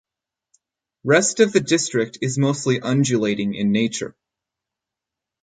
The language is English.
Rest of the district is mostly undulating in nature.